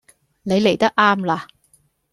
你黎得岩啦